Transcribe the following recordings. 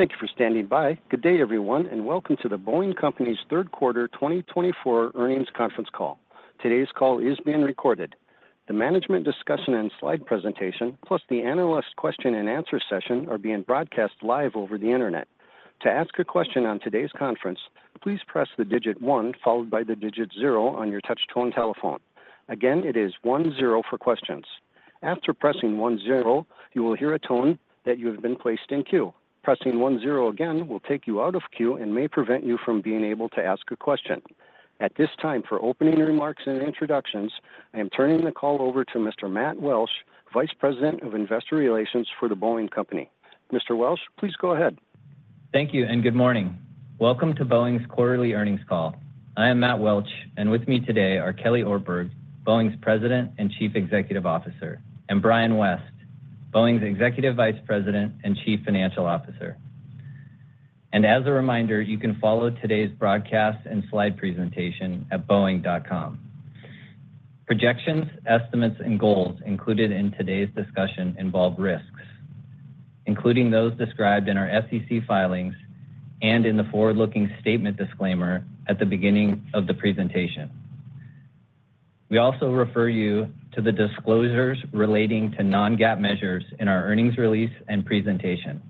Thank you for standing by. Good day, everyone, and welcome to The Boeing Company's Third Quarter 2024 Earnings Conference Call. Today's call is being recorded. The management discussion and slide presentation, plus the analyst question and answer session, are being broadcast live over the internet. To ask a question on today's conference, please press the digit one, followed by the digit zero on your touchtone telephone. Again, it is one-zero for questions. After pressing one-zero, you will hear a tone that you have been placed in queue. Pressing one-zero again will take you out of queue and may prevent you from being able to ask a question. At this time, for opening remarks and introductions, I am turning the call over to Mr. Matt Welch, Vice President of Investor Relations for The Boeing Company. Mr. Welch, please go ahead. Thank you and good morning. Welcome to Boeing's quarterly earnings call. I am Matt Welch, and with me today are Kelly Ortberg, Boeing's President and Chief Executive Officer, and Brian West, Boeing's Executive Vice President and Chief Financial Officer. And as a reminder, you can follow today's broadcast and slide presentation at boeing.com. Projections, estimates, and goals included in today's discussion involve risks, including those described in our SEC filings and in the forward-looking statement disclaimer at the beginning of the presentation. We also refer you to the disclosures relating to non-GAAP measures in our earnings release and presentation.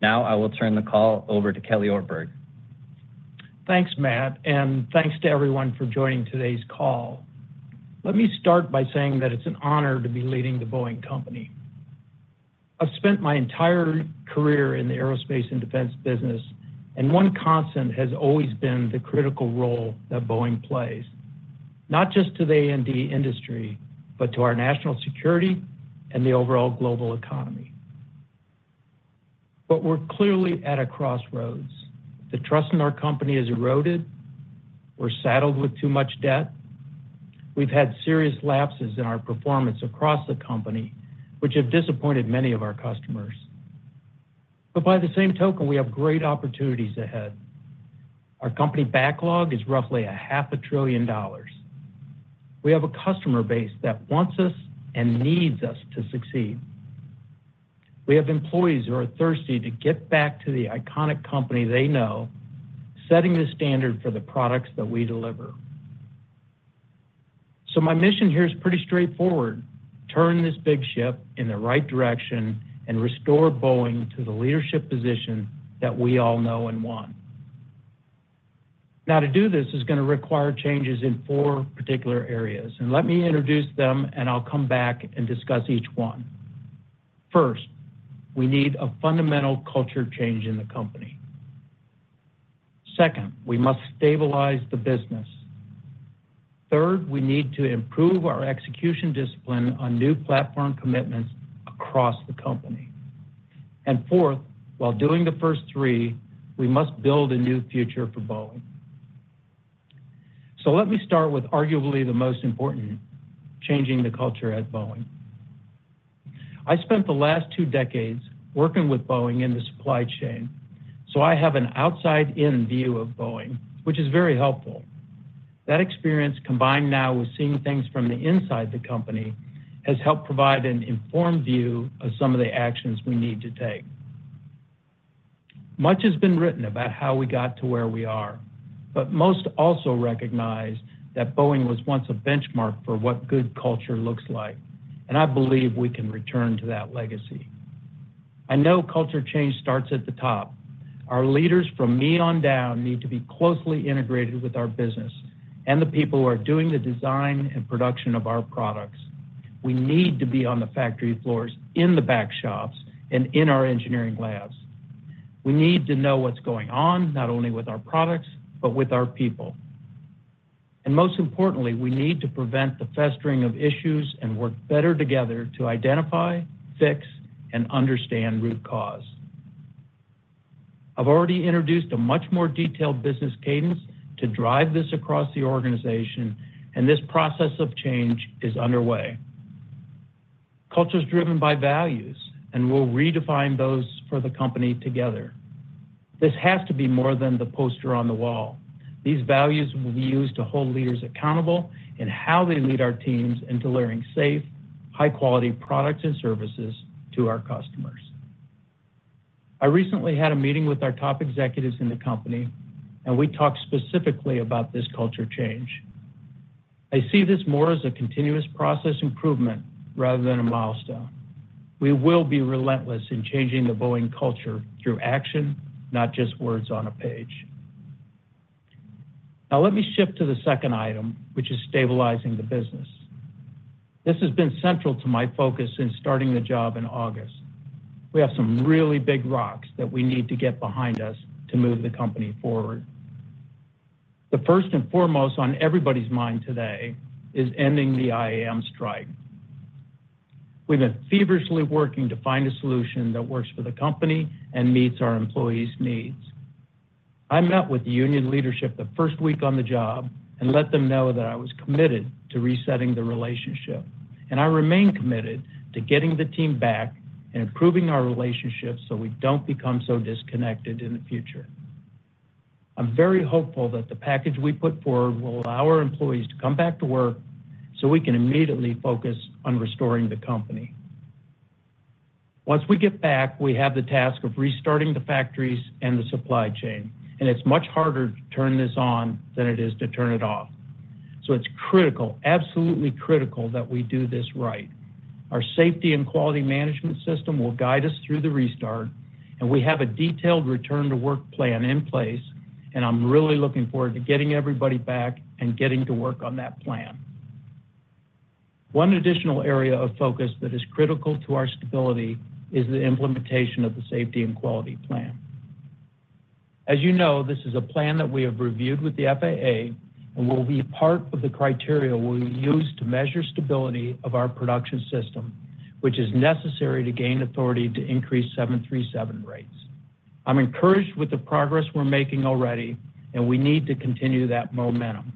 Now, I will turn the call over to Kelly Ortberg. Thanks, Matt, and thanks to everyone for joining today's call. Let me start by saying that it's an honor to be leading The Boeing Company. I've spent my entire career in the aerospace and defense business, and one constant has always been the critical role that Boeing plays, not just to the A&D industry, but to our national security and the overall global economy. But we're clearly at a crossroads. The trust in our company is eroded. We're saddled with too much debt. We've had serious lapses in our performance across the company, which have disappointed many of our customers. But by the same token, we have great opportunities ahead. Our company backlog is roughly $500 billion. We have a customer base that wants us and needs us to succeed. We have employees who are thirsty to get back to the iconic company they know, setting the standard for the products that we deliver. So my mission here is pretty straightforward: Turn this big ship in the right direction and restore Boeing to the leadership position that we all know and want. Now, to do this is gonna require changes in four particular areas, and let me introduce them, and I'll come back and discuss each one. First, we need a fundamental culture change in the company. Second, we must stabilize the business. Third, we need to improve our execution discipline on new platform commitments across the company. And fourth, while doing the first three, we must build a new future for Boeing. So let me start with arguably the most important, changing the culture at Boeing. I spent the last two decades working with Boeing in the supply chain, so I have an outside-in view of Boeing, which is very helpful. That experience, combined now with seeing things from the inside the company, has helped provide an informed view of some of the actions we need to take. Much has been written about how we got to where we are, but most also recognize that Boeing was once a benchmark for what good culture looks like, and I believe we can return to that legacy. I know culture change starts at the top. Our leaders, from me on down, need to be closely integrated with our business and the people who are doing the design and production of our products. We need to be on the factory floors, in the back shops, and in our engineering labs. We need to know what's going on, not only with our products, but with our people, and most importantly, we need to prevent the festering of issues and work better together to identify, fix, and understand root cause. I've already introduced a much more detailed business cadence to drive this across the organization, and this process of change is underway. Culture is driven by values, and we'll redefine those for the company together. This has to be more than the poster on the wall. These values will be used to hold leaders accountable in how they lead our teams in delivering safe, high-quality products and services to our customers. I recently had a meeting with our top executives in the company, and we talked specifically about this culture change. I see this more as a continuous process improvement rather than a milestone. We will be relentless in changing the Boeing culture through action, not just words on a page. Now, let me shift to the second item, which is stabilizing the business. This has been central to my focus since starting the job in August. We have some really big rocks that we need to get behind us to move the company forward. The first and foremost on everybody's mind today is ending the IAM strike. We've been feverishly working to find a solution that works for the company and meets our employees' needs. I met with the union leadership the first week on the job and let them know that I was committed to resetting the relationship, and I remain committed to getting the team back and improving our relationship so we don't become so disconnected in the future. I'm very hopeful that the package we put forward will allow our employees to come back to work so we can immediately focus on restoring the company. Once we get back, we have the task of restarting the factories and the supply chain, and it's much harder to turn this on than it is to turn it off. So it's critical, absolutely critical, that we do this right. Our safety and quality management system will guide us through the restart, and we have a detailed return-to-work plan in place, and I'm really looking forward to getting everybody back and getting to work on that plan. One additional area of focus that is critical to our stability is the implementation of the safety and quality plan. As you know, this is a plan that we have reviewed with the FAA and will be part of the criteria we will use to measure stability of our production system, which is necessary to gain authority to increase 737 rates. I'm encouraged with the progress we're making already, and we need to continue that momentum.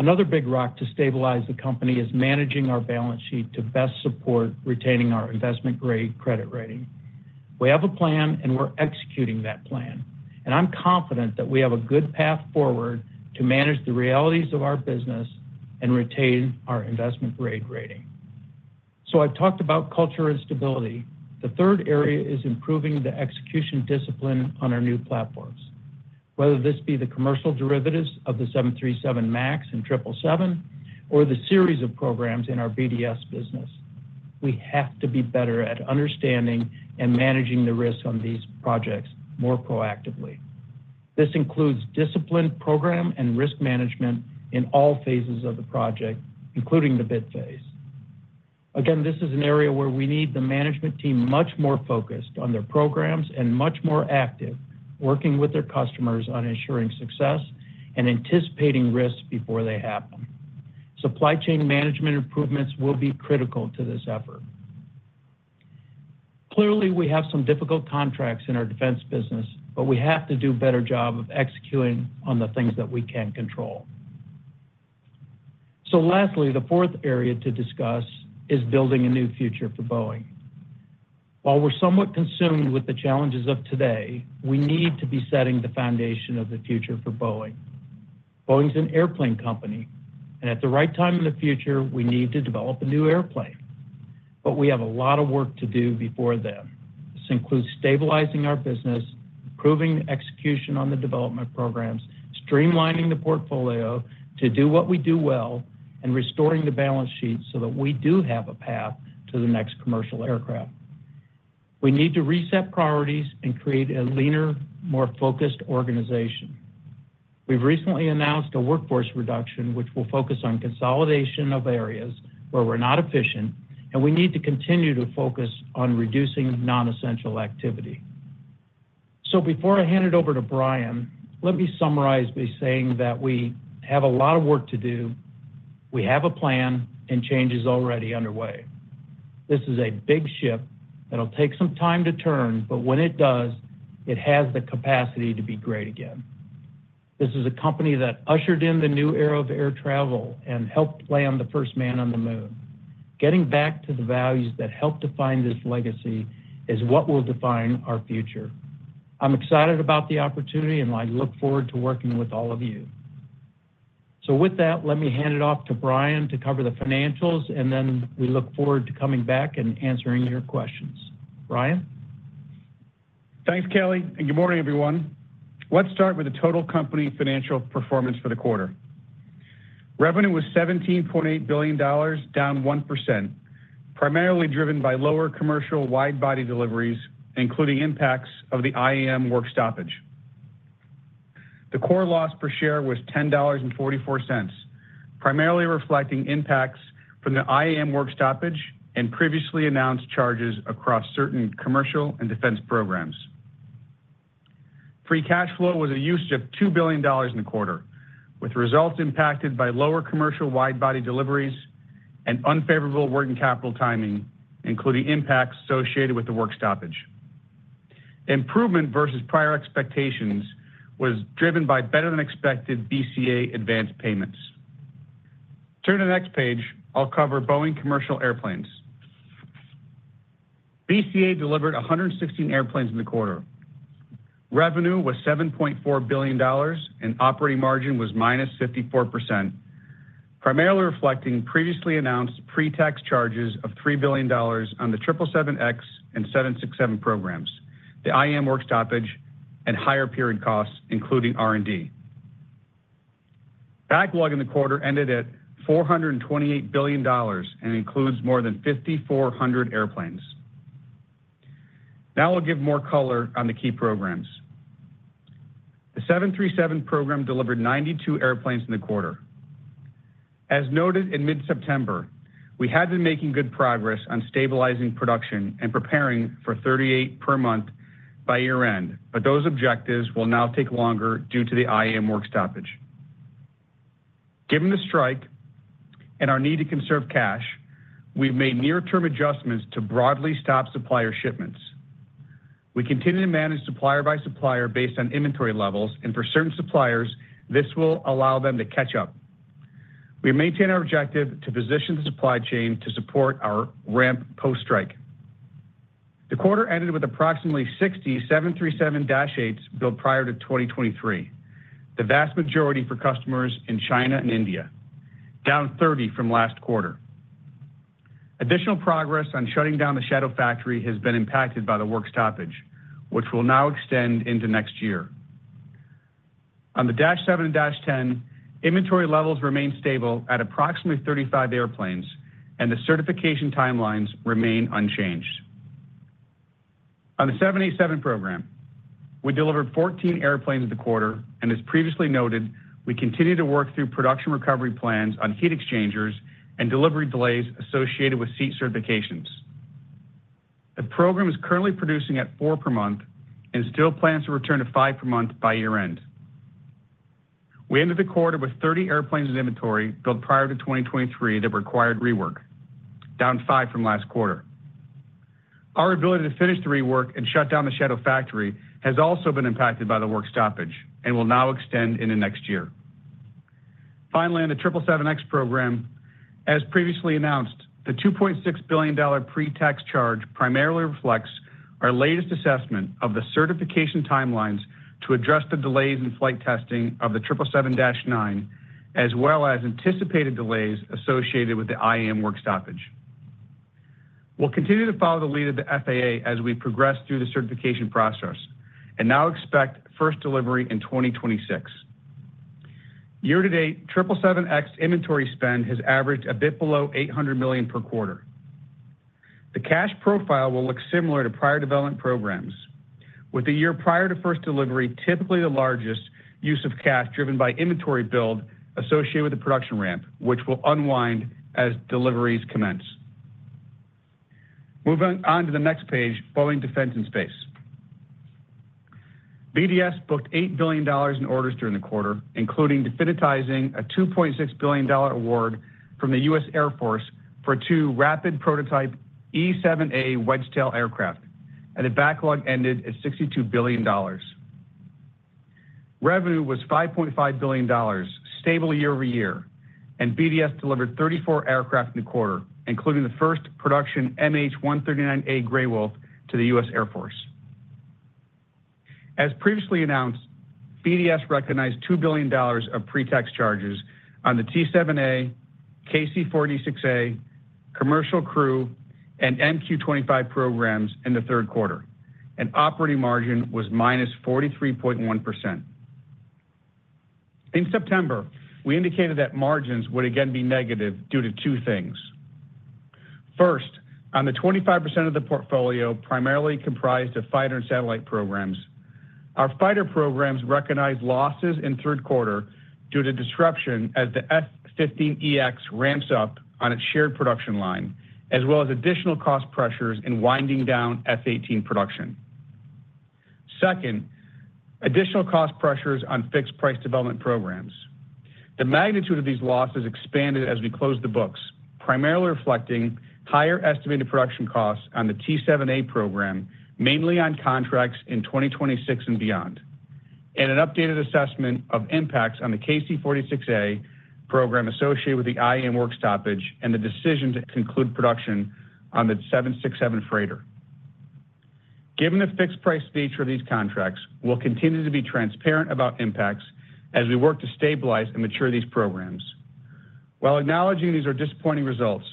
Another big rock to stabilize the company is managing our balance sheet to best support retaining our investment-grade credit rating. We have a plan, and we're executing that plan, and I'm confident that we have a good path forward to manage the realities of our business and retain our investment-grade rating. So I've talked about culture and stability. The third area is improving the execution discipline on our new platforms. Whether this be the commercial derivatives of the 737 MAX and 777, or the series of programs in our BDS business, we have to be better at understanding and managing the risks on these projects more proactively. This includes disciplined program and risk management in all phases of the project, including the bid phase. Again, this is an area where we need the management team much more focused on their programs and much more active, working with their customers on ensuring success and anticipating risks before they happen. Supply chain management improvements will be critical to this effort. Clearly, we have some difficult contracts in our defense business, but we have to do a better job of executing on the things that we can control. So lastly, the fourth area to discuss is building a new future for Boeing. While we're somewhat consumed with the challenges of today, we need to be setting the foundation of the future for Boeing. Boeing is an airplane company, and at the right time in the future, we need to develop a new airplane. But we have a lot of work to do before then. This includes stabilizing our business, improving execution on the development programs, streamlining the portfolio to do what we do well, and restoring the balance sheet so that we do have a path to the next commercial aircraft. We need to reset priorities and create a leaner, more focused organization. We've recently announced a workforce reduction, which will focus on consolidation of areas where we're not efficient, and we need to continue to focus on reducing non-essential activity. So before I hand it over to Brian, let me summarize by saying that we have a lot of work to do, we have a plan, and change is already underway. This is a big ship that'll take some time to turn, but when it does, it has the capacity to be great again. This is a company that ushered in the new era of air travel and helped land the first man on the moon. Getting back to the values that helped define this legacy is what will define our future. I'm excited about the opportunity, and I look forward to working with all of you. So with that, let me hand it off to Brian to cover the financials, and then we look forward to coming back and answering your questions. Brian? Thanks, Kelly, and good morning, everyone. Let's start with the total company financial performance for the quarter. Revenue was $17.8 billion, down 1%, primarily driven by lower commercial wide-body deliveries, including impacts of the IAM work stoppage. The core loss per share was $10.44, primarily reflecting impacts from the IAM work stoppage and previously announced charges across certain commercial and defense programs. Free cash flow was a use of $2 billion in the quarter, with results impacted by lower commercial wide-body deliveries and unfavorable working capital timing, including impacts associated with the work stoppage. Improvement versus prior expectations was driven by better-than-expected BCA advanced payments. Turn to the next page, I'll cover Boeing Commercial Airplanes. BCA delivered 116 airplanes in the quarter. Revenue was $7.4 billion, and operating margin was -54%, primarily reflecting previously announced pre-tax charges of $3 billion on the 777X and 767 programs, the IAM work stoppage, and higher period costs, including R&D. Backlog in the quarter ended at $428 billion and includes more than 5,400 airplanes. Now I'll give more color on the key programs. The 737 program delivered 92 airplanes in the quarter. As noted in mid-September, we had been making good progress on stabilizing production and preparing for 38 per month by year-end, but those objectives will now take longer due to the IAM work stoppage. Given the strike and our need to conserve cash, we've made near-term adjustments to broadly stop supplier shipments. We continue to manage supplier by supplier based on inventory levels, and for certain suppliers, this will allow them to catch up. We maintain our objective to position the supply chain to support our ramp post-strike. The quarter ended with approximately 67 737-8s built prior to 2023, the vast majority for customers in China and India, down 30 from last quarter. Additional progress on shutting down the shadow factory has been impacted by the work stoppage, which will now extend into next year. On the 737-7 and 737-10, inventory levels remain stable at approximately 35 airplanes, and the certification timelines remain unchanged. On the 787 program, we delivered 14 airplanes in the quarter, and as previously noted, we continue to work through production recovery plans on heat exchangers and delivery delays associated with seat certifications. The program is currently producing at four per month and still plans to return to five per month by year-end. We ended the quarter with thirty airplanes in inventory built prior to 2023 that required rework, down five from last quarter. Our ability to finish the rework and shut down the shadow factory has also been impacted by the work stoppage and will now extend into next year. Finally, on the 777X program, as previously announced, the $2.6 billion pre-tax charge primarily reflects our latest assessment of the certification timelines to address the delays in flight testing of the 777-9, as well as anticipated delays associated with the IAM work stoppage. We'll continue to follow the lead of the FAA as we progress through the certification process and now expect first delivery in 2026. Year-to-date, 777X inventory spend has averaged a bit below $800 million per quarter. The cash profile will look similar to prior development programs, with the year prior to first delivery, typically the largest use of cash driven by inventory build associated with the production ramp, which will unwind as deliveries commence. Moving on to the next page, Boeing Defense, Space & Security. BDS booked $8 billion in orders during the quarter, including definitizing a $2.6 billion award from the U.S. Air Force for two rapid prototype E-7A Wedgetail aircraft, and the backlog ended at $62 billion. Revenue was $5.5 billion, stable year over year, and BDS delivered 34 aircraft in the quarter, including the first production MH-139A Grey Wolf to the U.S. Air Force. As previously announced, BDS recognized $2 billion of pre-tax charges on the T-7A, KC-46A, Commercial Crew, and MQ-25 programs in the third quarter, and operating margin was -43.1%. In September, we indicated that margins would again be negative due to two things. First, on the 25% of the portfolio, primarily comprised of fighter and satellite programs, our fighter programs recognized losses in third quarter due to disruption as the F-15EX ramps up on its shared production line, as well as additional cost pressures in winding down F/A-18 production. Second, additional cost pressures on fixed-price development programs. The magnitude of these losses expanded as we closed the books, primarily reflecting higher estimated production costs on the T-7A program, mainly on contracts in 2026 and beyond, and an updated assessment of impacts on the KC-46A program associated with the IAM work stoppage and the decision to conclude production on the 767 freighter. Given the fixed-price nature of these contracts, we'll continue to be transparent about impacts as we work to stabilize and mature these programs. While acknowledging these are disappointing results,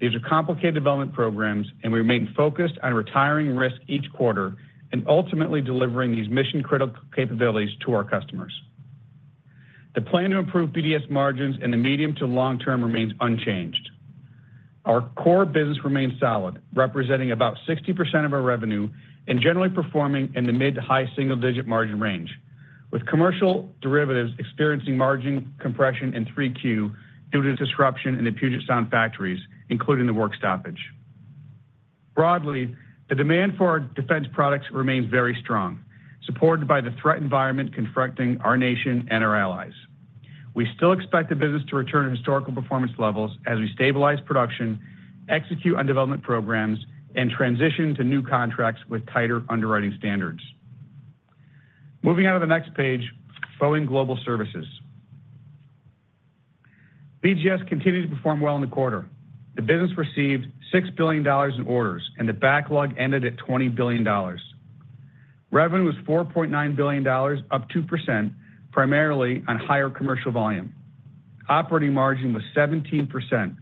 these are complicated development programs, and we remain focused on retiring risk each quarter and ultimately delivering these mission-critical capabilities to our customers. The plan to improve BDS margins in the medium to long term remains unchanged. Our core business remains solid, representing about 60% of our revenue and generally performing in the mid- to high-single-digit margin range, with commercial derivatives experiencing margin compression in 3Q due to disruption in the Puget Sound factories, including the work stoppage. Broadly, the demand for our defense products remains very strong, supported by the threat environment confronting our nation and our allies. We still expect the business to return to historical performance levels as we stabilize production, execute on development programs, and transition to new contracts with tighter underwriting standards. Moving on to the next page, Boeing Global Services. BGS continued to perform well in the quarter. The business received $6 billion in orders, and the backlog ended at $20 billion. Revenue was $4.9 billion, up 2%, primarily on higher commercial volume. Operating margin was 17%,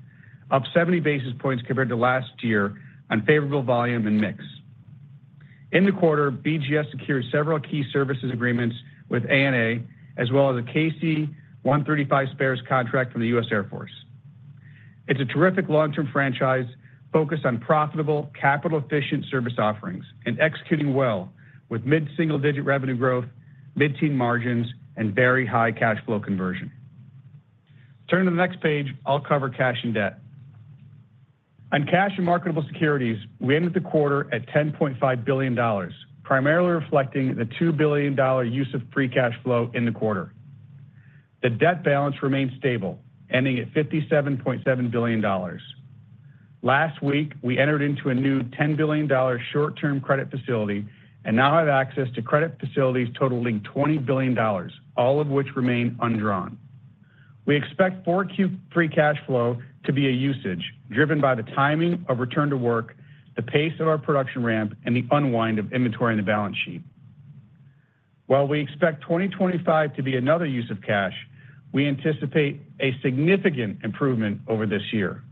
up 70 basis points compared to last year on favorable volume and mix. In the quarter, BGS secured several key services agreements with ANA, as well as a KC-135 spares contract from the US Air Force. It's a terrific long-term franchise focused on profitable, capital-efficient service offerings and executing well with mid-single-digit revenue growth, mid-teen margins, and very high cash flow conversion. Turn to the next page, I'll cover cash and debt. On cash and marketable securities, we ended the quarter at $10.5 billion, primarily reflecting the $2 billion use of free cash flow in the quarter. The debt balance remains stable, ending at $57.7 billion. Last week, we entered into a new $10 billion short-term credit facility and now have access to credit facilities totaling $20 billion, all of which remain undrawn. We expect Q4 free cash flow to be a usage, driven by the timing of return to work, the pace of our production ramp, and the unwind of inventory on the balance sheet. While we expect 2025 to be another use of cash, we anticipate a significant improvement over this year.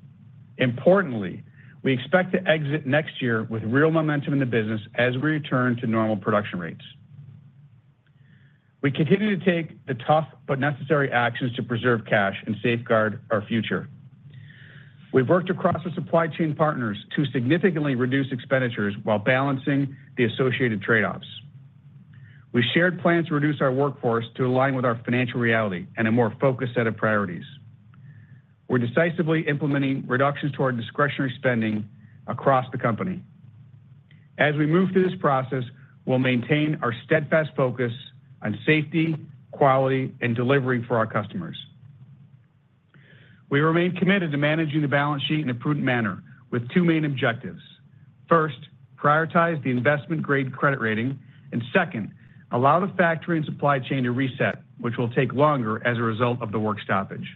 Importantly, we expect to exit next year with real momentum in the business as we return to normal production rates. We continue to take the tough but necessary actions to preserve cash and safeguard our future. We've worked across the supply chain partners to significantly reduce expenditures while balancing the associated trade-offs. We've shared plans to reduce our workforce to align with our financial reality and a more focused set of priorities. We're decisively implementing reductions to our discretionary spending across the company. As we move through this process, we'll maintain our steadfast focus on safety, quality, and delivery for our customers. We remain committed to managing the balance sheet in a prudent manner, with two main objectives. First, prioritize the investment-grade credit rating, and second, allow the factory and supply chain to reset, which will take longer as a result of the work stoppage.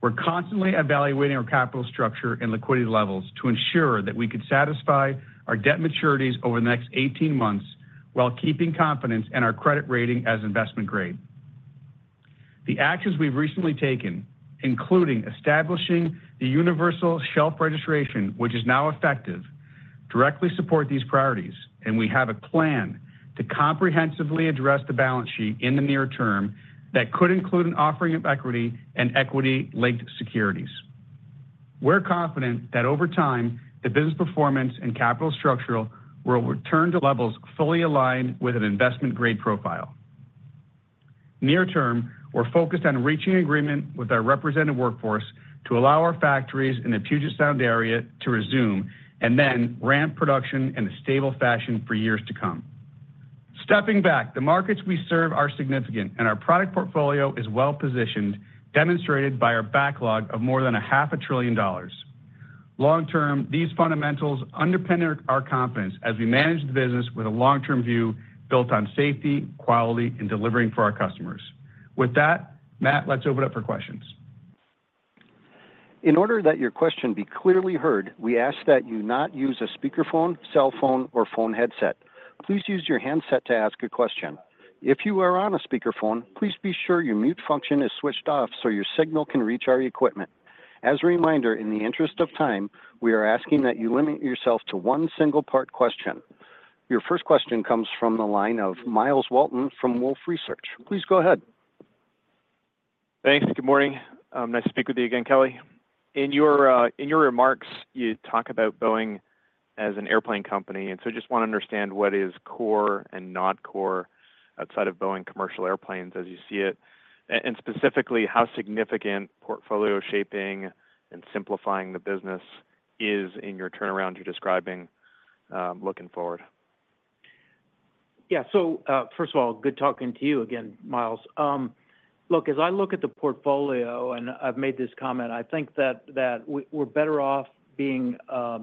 We're constantly evaluating our capital structure and liquidity levels to ensure that we can satisfy our debt maturities over the next eighteen months while keeping confidence in our credit rating as investment grade. The actions we've recently taken, including establishing the Universal Shelf Registration, which is now effective, directly support these priorities, and we have a plan to comprehensively address the balance sheet in the near term that could include an offering of equity and equity-linked securities. We're confident that over time, the business performance and capital structure will return to levels fully aligned with an investment-grade profile. Near term, we're focused on reaching an agreement with our represented workforce to allow our factories in the Puget Sound area to resume, and then ramp production in a stable fashion for years to come. Stepping back, the markets we serve are significant, and our product portfolio is well-positioned, demonstrated by our backlog of more than $500 billion. Long term, these fundamentals underpin our confidence as we manage the business with a long-term view built on safety, quality, and delivering for our customers. With that, Matt, let's open up for questions. In order that your question be clearly heard, we ask that you not use a speakerphone, cell phone, or phone headset. Please use your handset to ask a question. If you are on a speakerphone, please be sure your mute function is switched off so your signal can reach our equipment. As a reminder, in the interest of time, we are asking that you limit yourself to one single-part question. Your first question comes from the line of Miles Walton from Wolfe Research. Please go ahead. Thanks. Good morning. Nice to speak with you again, Kelly. In your remarks, you talk about Boeing as an airplane company, and so I just wanna understand what is core and not core outside of Boeing commercial airplanes as you see it, and specifically, how significant portfolio shaping and simplifying the business is in your turnaround you're describing, looking forward? Yeah. So, first of all, good talking to you again, Myles. Look, as I look at the portfolio, and I've made this comment, I think that we're better off being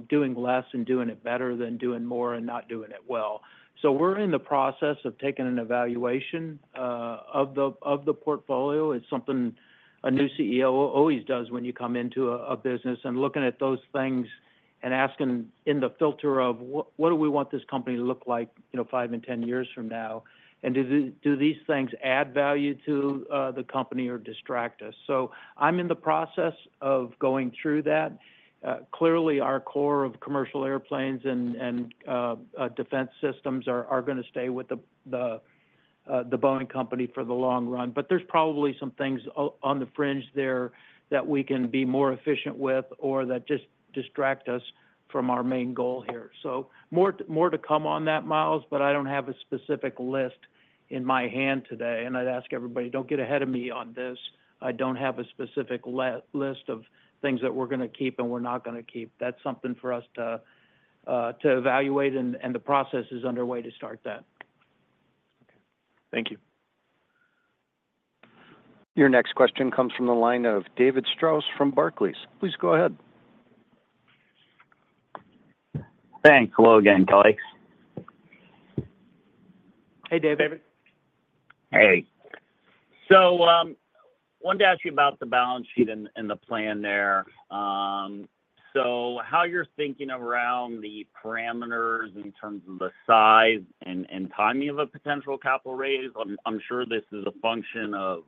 doing less and doing it better than doing more and not doing it well. So we're in the process of taking an evaluation of the portfolio. It's something a new CEO always does when you come into a business and looking at those things and asking in the filter of what do we want this company to look like, you know, five and ten years from now? And do these things add value to the company or distract us? So I'm in the process of going through that. Clearly, our core of commercial airplanes and defense systems are gonna stay with the Boeing company for the long run. But there's probably some things on the fringe there that we can be more efficient with or that just distract us from our main goal here. So more to come on that, Myles, but I don't have a specific list in my hand today, and I'd ask everybody, don't get ahead of me on this. I don't have a specific list of things that we're gonna keep and we're not gonna keep. That's something for us to evaluate, and the process is underway to start that. Thank you. Your next question comes from the line of David Strauss from Barclays. Please go ahead. Thanks. Hello again, Kelly. Hey, David. Hey. So wanted to ask you about the balance sheet and the plan there. So how you're thinking around the parameters in terms of the size and timing of a potential capital raise. I'm sure this is a function of,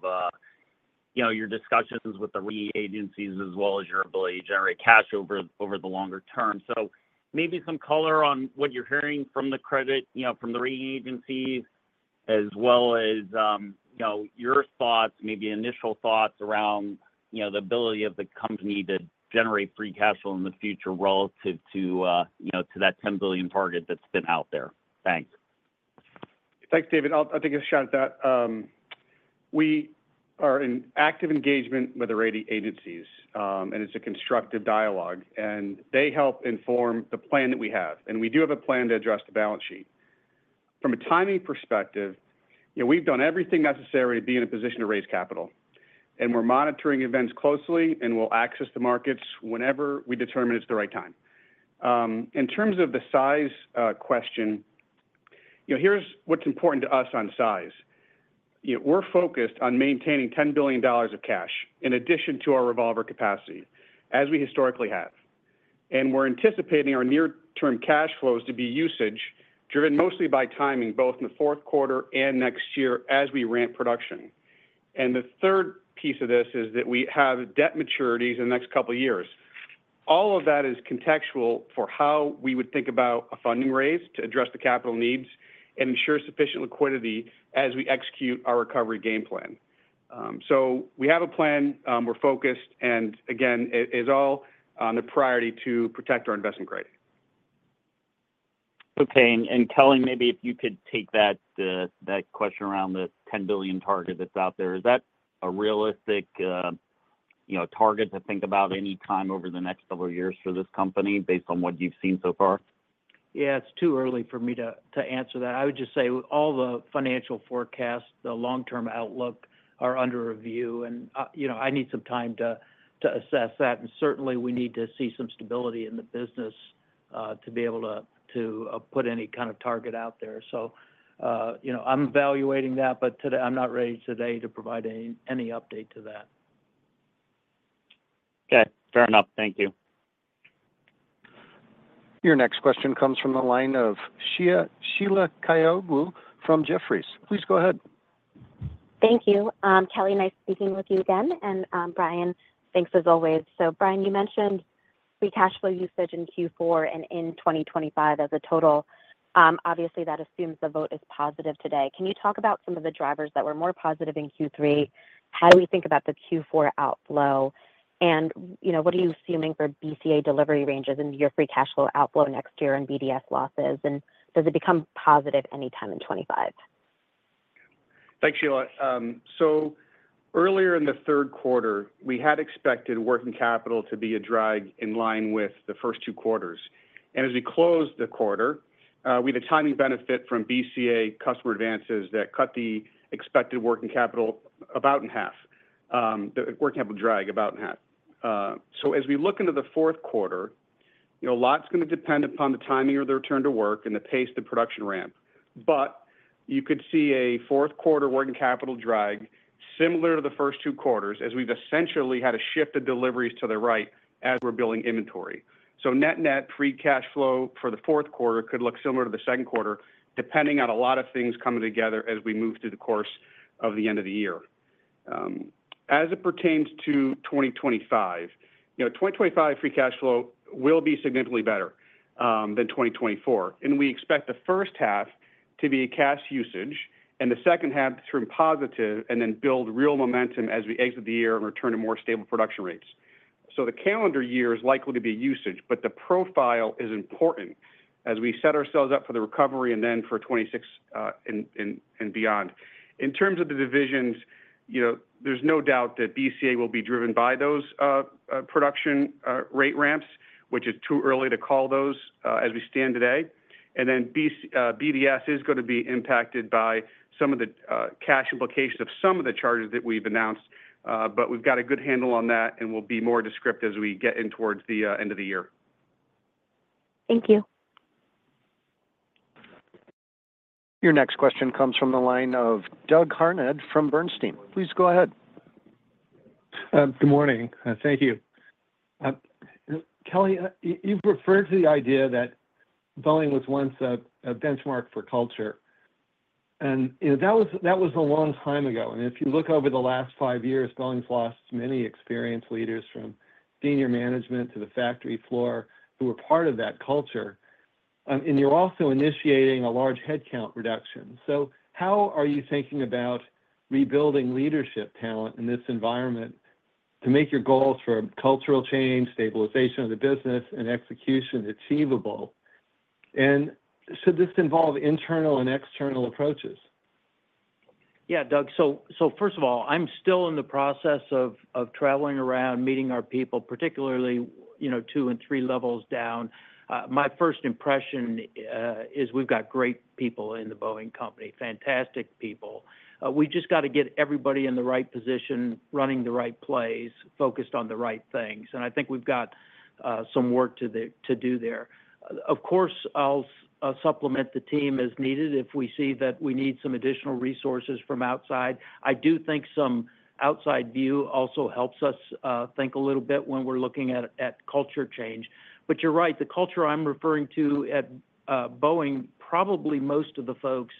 you know, your discussions with the rating agencies, as well as your ability to generate cash over the longer term. So maybe some color on what you're hearing from the credit, you know, from the rating agencies, as well as, you know, your thoughts, maybe initial thoughts around, you know, the ability of the company to generate free cash flow in the future relative to, you know, to that $10 billion target that's been out there. Thanks. Thanks, David. I'll take a shot at that. We are in active engagement with the rating agencies, and it's a constructive dialogue, and they help inform the plan that we have. We do have a plan to address the balance sheet. From a timing perspective, you know, we've done everything necessary to be in a position to raise capital, and we're monitoring events closely, and we'll access the markets whenever we determine it's the right time. In terms of the size question, you know, here's what's important to us on size. You know, we're focused on maintaining $10 billion of cash, in addition to our revolver capacity, as we historically have. We're anticipating our near-term cash flows to be usage, driven mostly by timing, both in the fourth quarter and next year as we ramp production. The third piece of this is that we have debt maturities in the next couple of years. All of that is contextual for how we would think about a funding raise to address the capital needs and ensure sufficient liquidity as we execute our recovery game plan. We have a plan, we're focused, and again, it is all on the priority to protect our investment-grade. Okay. And Kelly, maybe if you could take that question around the $10 billion target that's out there. Is that a realistic, you know, target to think about any time over the next couple of years for this company, based on what you've seen so far? Yeah, it's too early for me to answer that. I would just say all the financial forecasts, the long-term outlook, are under review, and you know, I need some time to assess that, and certainly, we need to see some stability in the business to be able to put any kind of target out there. So you know, I'm evaluating that, but today, I'm not ready today to provide any update to that. Okay. Fair enough. Thank you. Your next question comes from the line of Sheila Kahyaoglu from Jefferies. Please go ahead. Thank you. Kelly, nice speaking with you again, and Brian, thanks as always. Brian, you mentioned the cash flow usage in Q4 and in 2025 as a total. Obviously, that assumes the vote is positive today. Can you talk about some of the drivers that were more positive in Q3? How do we think about the Q4 outflow? You know, what are you assuming for BCA delivery ranges into your free cash flow outflow next year and BDS losses, and does it become positive anytime in 2025? Thanks, Sheila. So earlier in the third quarter, we had expected working capital to be a drag in line with the first two quarters. And as we closed the quarter, we had a timing benefit from BCA customer advances that cut the expected working capital about in half, the working capital drag about in half. So as we look into the fourth quarter, you know, a lot's gonna depend upon the timing of the return to work and the pace of production ramp. But you could see a fourth quarter working capital drag, similar to the first two quarters, as we've essentially had to shift the deliveries to the right as we're building inventory. So net-net free cash flow for the fourth quarter could look similar to the second quarter, depending on a lot of things coming together as we move through the course of the end of the year. As it pertains to 2025, you know, 2025 free cash flow will be significantly better than 2024, and we expect the first half to be a cash usage, and the second half to turn positive and then build real momentum as we exit the year and return to more stable production rates. So the calendar year is likely to be usage, but the profile is important as we set ourselves up for the recovery and then for 2026, and beyond. In terms of the divisions, you know, there's no doubt that BCA will be driven by those production rate ramps, which is too early to call those, as we stand today. And then BDS is gonna be impacted by some of the cash implications of some of the charges that we've announced, but we've got a good handle on that, and we'll be more descriptive as we get in towards the end of the year. Thank you. Your next question comes from the line of Doug Harned from Bernstein. Please go ahead. Good morning, and thank you. Kelly, you, you've referred to the idea that Boeing was once a, a benchmark for culture, and, you know, that was, that was a long time ago. And if you look over the last five years, Boeing's lost many experienced leaders, from senior management to the factory floor, who were part of that culture. And you're also initiating a large headcount reduction. So how are you thinking about rebuilding leadership talent in this environment to make your goals for cultural change, stabilization of the business, and execution achievable? And should this involve internal and external approaches? Yeah, Doug. So first of all, I'm still in the process of traveling around, meeting our people, particularly, you know, two and three levels down. My first impression is we've got great people in the Boeing Company, fantastic people. We just got to get everybody in the right position, running the right plays, focused on the right things, and I think we've got some work to do there. Of course, I'll supplement the team as needed if we see that we need some additional resources from outside. I do think some outside view also helps us think a little bit when we're looking at culture change. But you're right, the culture I'm referring to at Boeing, probably most of the folks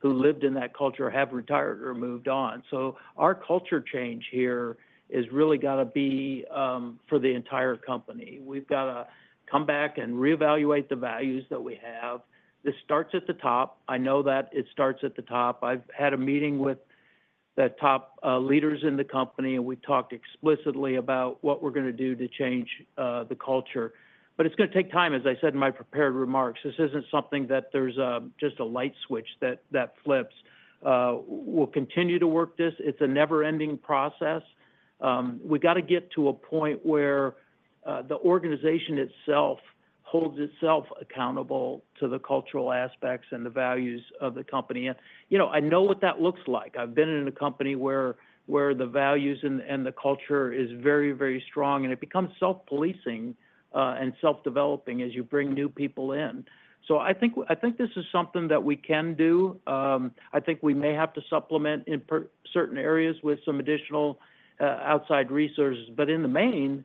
who lived in that culture have retired or moved on. Our culture change here has really got to be for the entire company. We've got to come back and reevaluate the values that we have. This starts at the top. I know that it starts at the top. I've had a meeting with the top leaders in the company, and we talked explicitly about what we're gonna do to change the culture. But it's gonna take time, as I said in my prepared remarks. This isn't something that there's just a light switch that flips. We'll continue to work this. It's a never-ending process. We've got to get to a point where the organization itself holds itself accountable to the cultural aspects and the values of the company. You know, I know what that looks like. I've been in a company where the values and the culture is very, very strong, and it becomes self-policing and self-developing as you bring new people in. So I think this is something that we can do. I think we may have to supplement in certain areas with some additional outside resources, but in the main,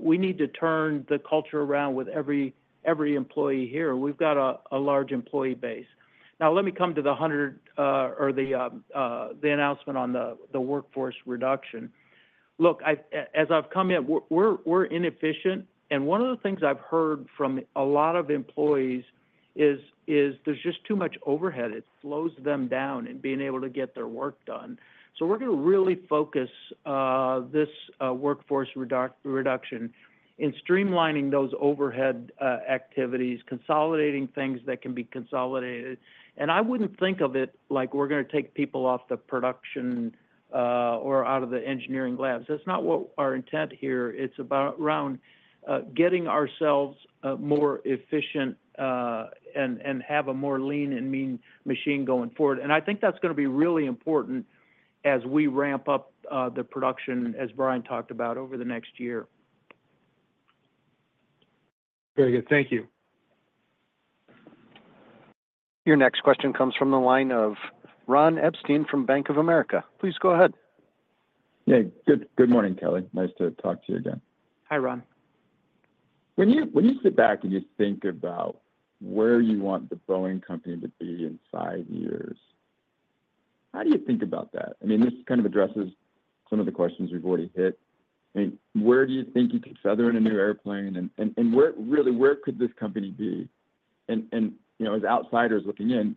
we need to turn the culture around with every employee here. We've got a large employee base. Now, let me come to the headcount or the announcement on the workforce reduction. Look, as I've come in, we're inefficient, and one of the things I've heard from a lot of employees is there's just too much overhead. It slows them down in being able to get their work done. We're gonna really focus this workforce reduction in streamlining those overhead activities, consolidating things that can be consolidated. I wouldn't think of it like we're gonna take people off the production or out of the engineering labs. That's not what our intent here. It's about getting ourselves more efficient and have a more lean and mean machine going forward. I think that's gonna be really important as we ramp up the production, as Brian talked about, over the next year. Very good. Thank you. Your next question comes from the line of Ron Epstein from Bank of America. Please go ahead. Yeah. Good morning, Kelly. Nice to talk to you again. Hi, Ron. When you sit back and you think about where you want the Boeing Company to be in five years, how do you think about that? I mean, this kind of addresses some of the questions we've already hit. I mean, where do you think you could feather in a new airplane? And where, really, where could this company be? And you know, as outsiders looking in,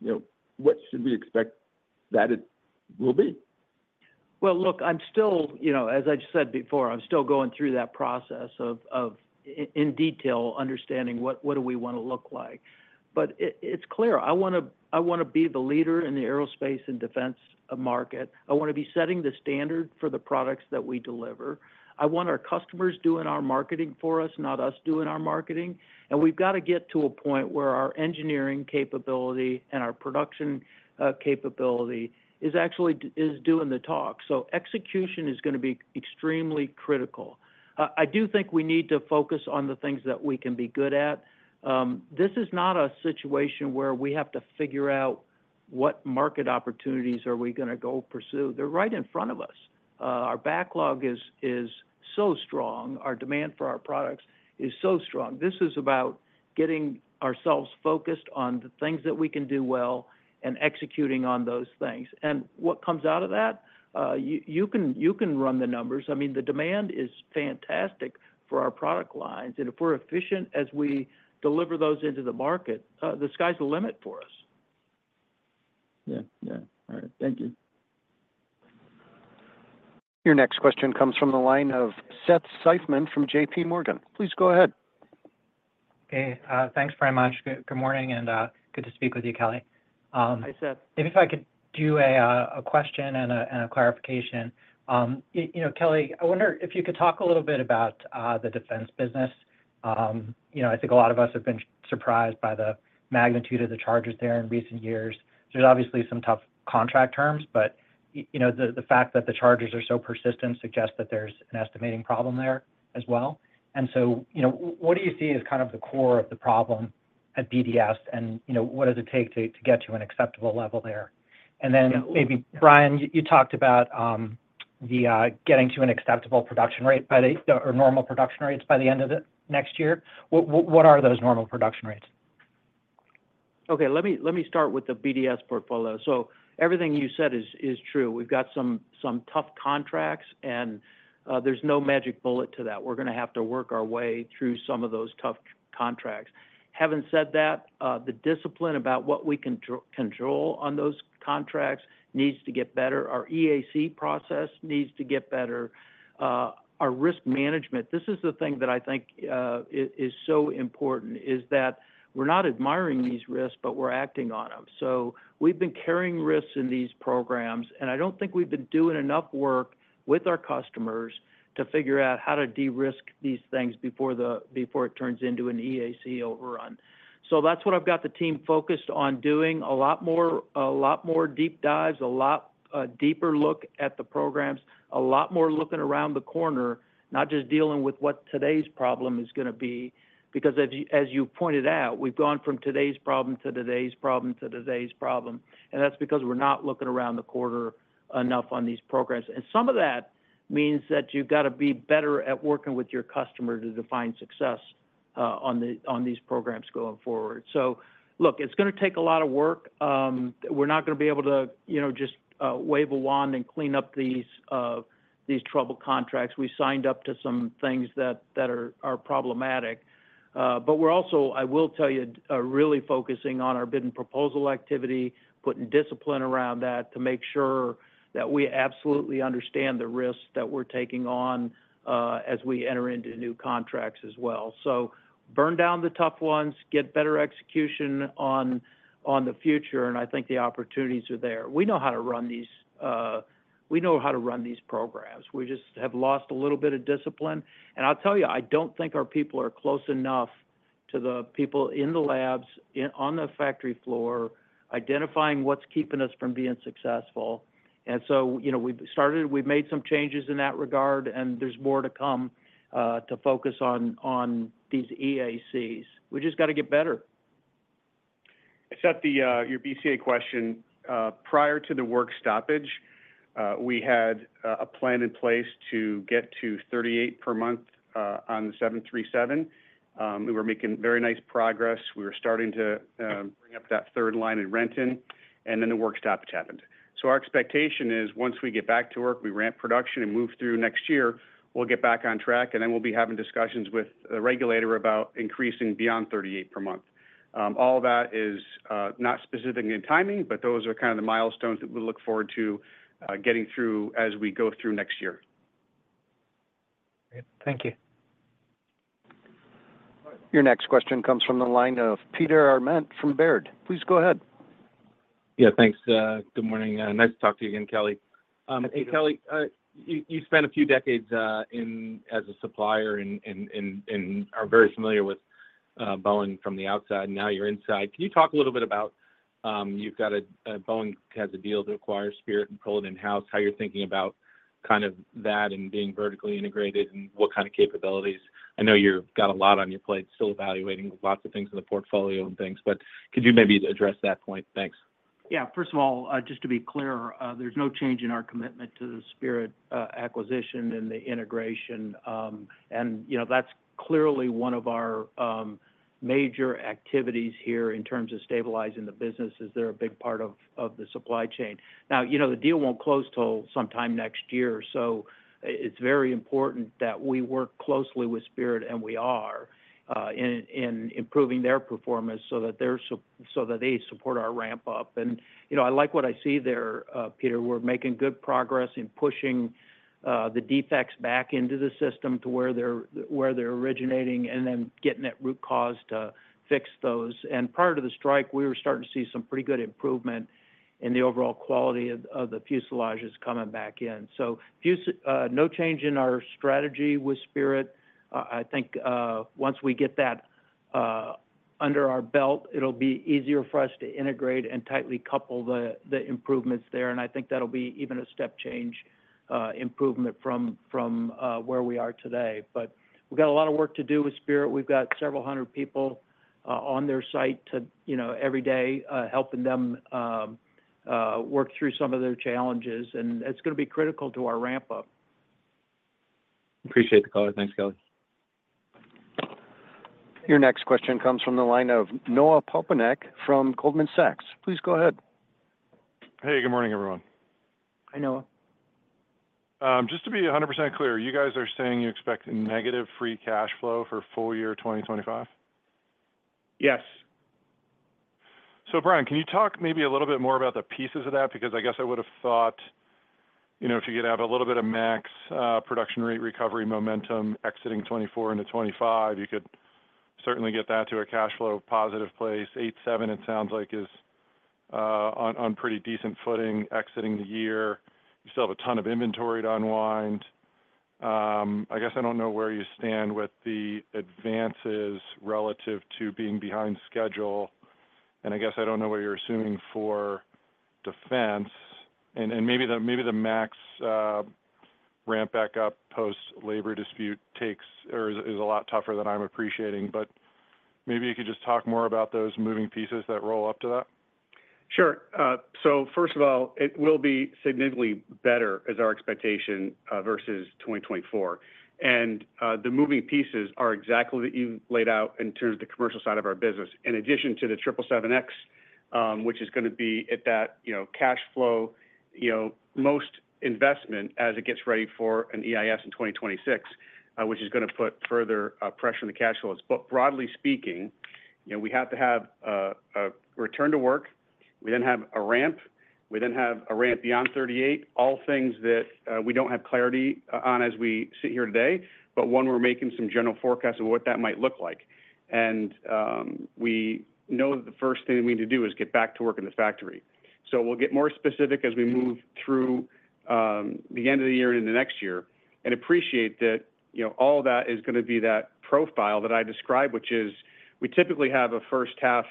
you know, what should we expect that it will be? Look, I'm still, you know, as I've said before, I'm still going through that process of in detail, understanding what do we wanna look like. But it's clear, I wanna be the leader in the aerospace and defense market. I wanna be setting the standard for the products that we deliver. I want our customers doing our marketing for us, not us doing our marketing. And we've got to get to a point where our engineering capability and our production capability is actually doing the talk. So execution is gonna be extremely critical. I do think we need to focus on the things that we can be good at. This is not a situation where we have to figure out what market opportunities are we gonna go pursue. They're right in front of us. Our backlog is so strong. Our demand for our products is so strong. This is about getting ourselves focused on the things that we can do well and executing on those things. And what comes out of that, you can run the numbers. I mean, the demand is fantastic for our product lines, and if we're efficient as we deliver those into the market, the sky's the limit for us. Yeah. Yeah. All right. Thank you. Your next question comes from the line of Seth Seifman from JP Morgan. Please go ahead. Hey, thanks very much. Good morning, and good to speak with you, Kelly. Hi, Seth. Maybe if I could do a question and a clarification. You know, Kelly, I wonder if you could talk a little bit about the defense business. You know, I think a lot of us have been surprised by the magnitude of the charges there in recent years. There's obviously some tough contract terms, but you know, the fact that the charges are so persistent suggests that there's an estimating problem there as well. And so, you know, what do you see as kind of the core of the problem at BDS and, you know, what does it take to get to an acceptable level there? And then maybe, Brian, you talked about the getting to an acceptable production rate by the... or normal production rates by the end of the next year. What are those normal production rates? Okay, let me start with the BDS portfolio. So everything you said is true. We've got some tough contracts, and there's no magic bullet to that. We're gonna have to work our way through some of those tough contracts. Having said that, the discipline about what we control on those contracts needs to get better. Our EAC process needs to get better. Our risk management, this is the thing that I think is so important, is that we're not admiring these risks, but we're acting on them. So we've been carrying risks in these programs, and I don't think we've been doing enough work with our customers to figure out how to de-risk these things before it turns into an EAC overrun. So that's what I've got the team focused on doing a lot more, a lot more deep dives, a lot, deeper look at the programs, a lot more looking around the corner, not just dealing with what today's problem is gonna be. Because as you pointed out, we've gone from today's problem to today's problem, to today's problem, and that's because we're not looking around the corner enough on these programs. And some of that means that you've gotta be better at working with your customer to define success on these programs going forward. So look, it's gonna take a lot of work. We're not gonna be able to, you know, just wave a wand and clean up these trouble contracts. We signed up to some things that are problematic. But we're also, I will tell you, really focusing on our bid and proposal activity, putting discipline around that to make sure that we absolutely understand the risks that we're taking on, as we enter into new contracts as well. So burn down the tough ones, get better execution on the future, and I think the opportunities are there. We know how to run these programs. We just have lost a little bit of discipline. And I'll tell you, I don't think our people are close enough to the people in the labs, on the factory floor, identifying what's keeping us from being successful. And so, you know, we've started. We've made some changes in that regard, and there's more to come, to focus on these EACs. We just got to get better. I said the your BCA question. Prior to the work stoppage, we had a plan in place to get to 38 per month on the 737. We were making very nice progress. We were starting to bring up that third line in Renton, and then the work stoppage happened, so our expectation is once we get back to work, we ramp production and move through next year, we'll get back on track, and then we'll be having discussions with the regulator about increasing beyond 38 per month. All that is not specific in timing, but those are kind of the milestones that we look forward to getting through as we go through next year. Great. Thank you. Your next question comes from the line of Peter Arment from Baird. Please go ahead. Yeah, thanks. Good morning. Nice to talk to you again, Kelly. Hey, Kelly, you spent a few decades in as a supplier and are very familiar with Boeing from the outside, and now you're inside. Can you talk a little bit about, you've got a, Boeing has a deal to acquire Spirit and pull it in-house, how you're thinking about kind of that and being vertically integrated and what kind of capabilities? I know you've got a lot on your plate, still evaluating lots of things in the portfolio and things, but could you maybe address that point? Thanks. Yeah. First of all, just to be clear, there's no change in our commitment to the Spirit acquisition and the integration. And, you know, that's clearly one of our major activities here in terms of stabilizing the business as they're a big part of the supply chain. Now, you know, the deal won't close till sometime next year, so it's very important that we work closely with Spirit, and we are in improving their performance so that they support our ramp up. And, you know, I like what I see there, Peter. We're making good progress in pushing the defects back into the system to where they're originating, and then getting that root cause to fix those. And prior to the strike, we were starting to see some pretty good improvement in the overall quality of the fuselages coming back in. So, no change in our strategy with Spirit. I think, once we get that under our belt, it'll be easier for us to integrate and tightly couple the improvements there, and I think that'll be even a step change improvement from where we are today. But we've got a lot of work to do with Spirit. We've got several hundred people on their site to, you know, every day helping them work through some of their challenges, and it's gonna be critical to our ramp up. Appreciate the call. Thanks, Kelly. Your next question comes from the line of Noah Poponak from Goldman Sachs. Please go ahead. Hey, good morning, everyone. Hi, Noah. Just to be 100% clear, you guys are saying you expect negative free cash flow for full year 2025? Yes. So, Brian, can you talk maybe a little bit more about the pieces of that? Because I guess I would have thought, you know, if you could have a little bit of MAX production rate recovery momentum exiting 2024 into 2025, you could certainly get that to a cash flow positive place. 787, it sounds like, is on pretty decent footing exiting the year. You still have a ton of inventory to unwind. I guess I don't know where you stand with the advances relative to being behind schedule, and I guess I don't know what you're assuming for defense. And maybe the MAX ramp back up post-labor dispute takes or is a lot tougher than I'm appreciating, but maybe you could just talk more about those moving pieces that roll up to that. Sure. So first of all, it will be significantly better as our expectation versus 2024. And the moving pieces are exactly that you've laid out in terms of the commercial side of our business. In addition to the 777X, which is gonna be at that, you know, cash flow, you know, most investment as it gets ready for an EIS in 2026, which is gonna put further pressure on the cash flows. But broadly speaking, you know, we have to have a return to work. We then have a ramp. We then have a ramp beyond 38, all things that we don't have clarity on as we sit here today, but one, we're making some general forecasts of what that might look like. We know that the first thing we need to do is get back to work in the factory. So we'll get more specific as we move through the end of the year and the next year, and appreciate that, you know, all that is gonna be that profile that I described, which is we typically have a first half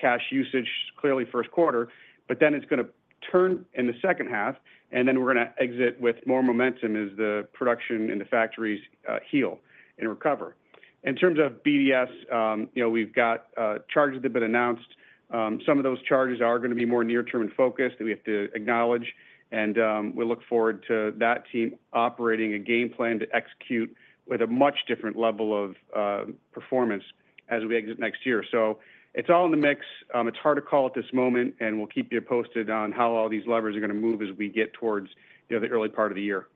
cash usage, clearly first quarter, but then it's gonna turn in the second half, and then we're gonna exit with more momentum as the production in the factories heal and recover. In terms of BDS, you know, we've got charges that have been announced. Some of those charges are gonna be more near-term and focused, that we have to acknowledge, and we look forward to that team operating a game plan to execute with a much different level of performance as we exit next year. So it's all in the mix. It's hard to call at this moment, and we'll keep you posted on how all these levers are gonna move as we get towards, you know, the early part of the year.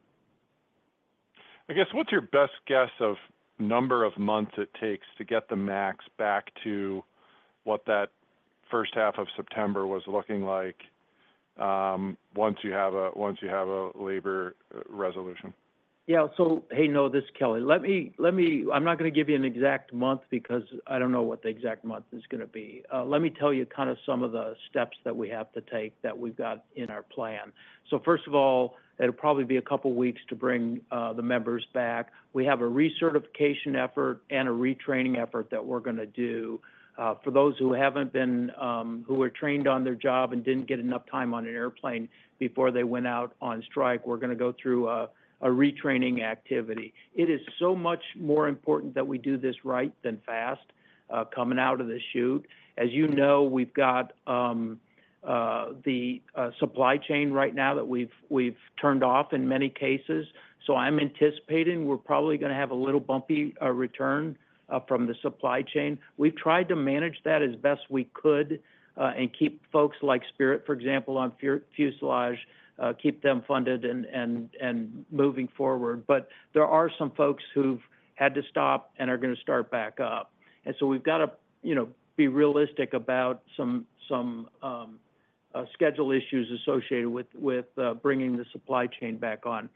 I guess, what's your best guess of number of months it takes to get the max back to what that first half of September was looking like, once you have a labor resolution? ... Yeah, so, hey, Noah, this is Kelly. Let me, let me. I'm not gonna give you an exact month because I don't know what the exact month is gonna be. Let me tell you kind of some of the steps that we have to take that we've got in our plan. So first of all, it'll probably be a couple weeks to bring the members back. We have a recertification effort and a retraining effort that we're gonna do. For those who haven't been, who were trained on their job and didn't get enough time on an airplane before they went out on strike, we're gonna go through a retraining activity. It is so much more important that we do this right than fast, coming out of this chute. As you know, we've got the supply chain right now that we've turned off in many cases. So I'm anticipating we're probably gonna have a little bumpy return from the supply chain. We've tried to manage that as best we could and keep folks like Spirit, for example, on fuselage, keep them funded and moving forward. But there are some folks who've had to stop and are gonna start back up. So we've got to, you know, be realistic about some schedule issues associated with bringing the supply chain back on.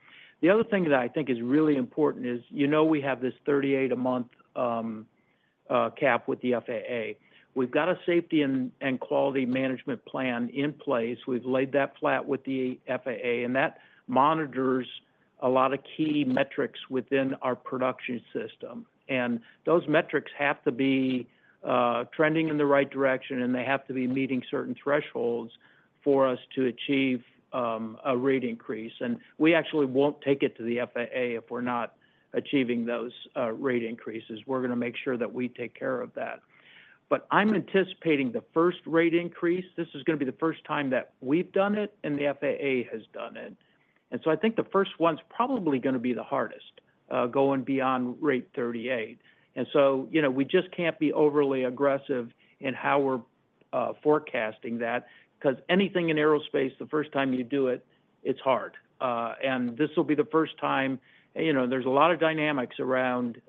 The other thing that I think is really important is, you know, we have this thirty-eight a month cap with the FAA. We've got a safety and quality management plan in place. We've laid that flat with the FAA, and that monitors a lot of key metrics within our production system, and those metrics have to be trending in the right direction, and they have to be meeting certain thresholds for us to achieve a rate increase, and we actually won't take it to the FAA if we're not achieving those rate increases. We're gonna make sure that we take care of that, but I'm anticipating the first rate increase, this is gonna be the first time that we've done it and the FAA has done it, and so I think the first one's probably gonna be the hardest going beyond Rate 38, and so, you know, we just can't be overly aggressive in how we're forecasting that, 'cause anything in aerospace, the first time you do it, it's hard. And this will be the first time... You know, there's a lot of dynamics around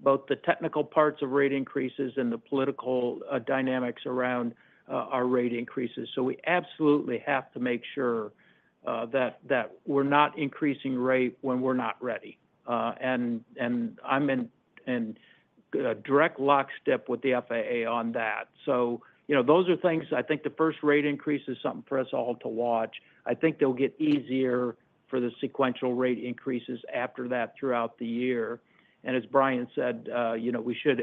both the technical parts of rate increases and the political dynamics around our rate increases. So we absolutely have to make sure that we're not increasing rate when we're not ready. And I'm in direct lockstep with the FAA on that. So, you know, those are things. I think the first rate increase is something for us all to watch. I think they'll get easier for the sequential rate increases after that throughout the year. And as Brian said, you know, we should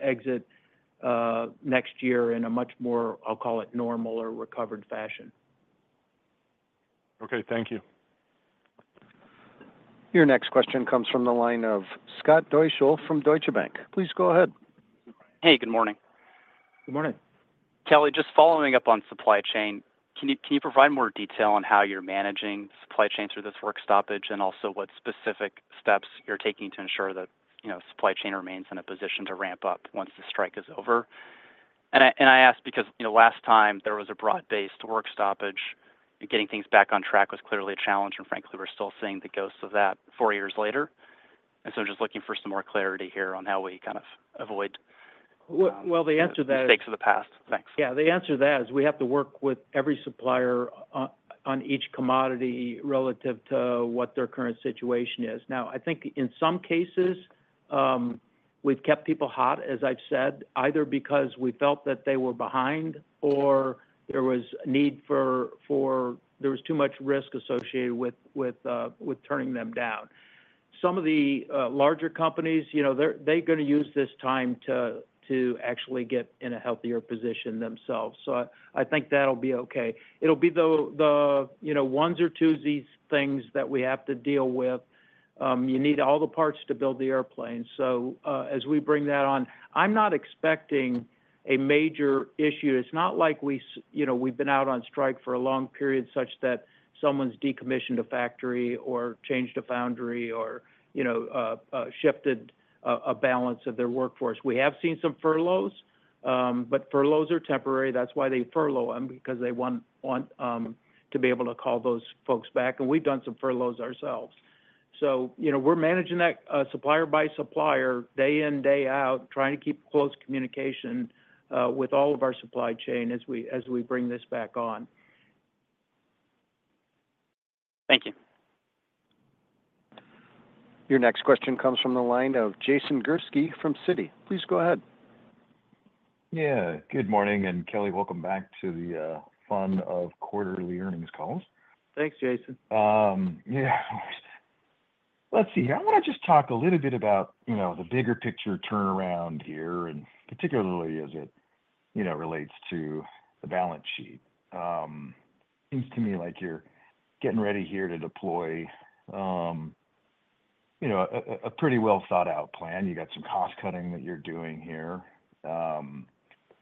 exit next year in a much more, I'll call it, normal or recovered fashion. Okay, thank you. Your next question comes from the line of Scott Deuschle from Deutsche Bank. Please go ahead. Hey, good morning. Good morning. Kelly, just following up on supply chain, can you provide more detail on how you're managing supply chain through this work stoppage, and also what specific steps you're taking to ensure that, you know, supply chain remains in a position to ramp up once the strike is over? And I ask because, you know, last time there was a broad-based work stoppage, and getting things back on track was clearly a challenge, and frankly, we're still seeing the ghosts of that four years later. And so I'm just looking for some more clarity here on how we kind of avoid- The answer to that- mistakes of the past. Thanks. Yeah, the answer to that is we have to work with every supplier on each commodity relative to what their current situation is. Now, I think in some cases, we've kept people hot, as I've said, either because we felt that they were behind or there was a need. There was too much risk associated with turning them down. Some of the larger companies, you know, they're gonna use this time to actually get in a healthier position themselves. So I think that'll be okay. It'll be the, you know, ones or twosies things that we have to deal with. You need all the parts to build the airplane. So, as we bring that on, I'm not expecting a major issue. It's not like we, you know, we've been out on strike for a long period, such that someone's decommissioned a factory or changed a foundry or, you know, shifted a balance of their workforce. We have seen some furloughs, but furloughs are temporary. That's why they furlough them, because they want to be able to call those folks back, and we've done some furloughs ourselves. So, you know, we're managing that, supplier by supplier, day in, day out, trying to keep close communication with all of our supply chain as we bring this back on. Thank you. Your next question comes from the line of Jason Gursky from Citi. Please go ahead. Yeah, good morning, and Kelly, welcome back to the fun of quarterly earnings calls. Thanks, Jason. Yeah. Let's see here. I wanna just talk a little bit about, you know, the bigger picture turnaround here, and particularly as it, you know, relates to the balance sheet. Seems to me like you're getting ready here to deploy, you know, a pretty well-thought-out plan. You got some cost cutting that you're doing here.